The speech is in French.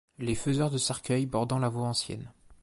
Les faiseurs de cercueils bordant la voie ancienne